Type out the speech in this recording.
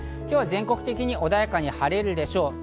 今日は全国的に穏やかに晴れるでしょう。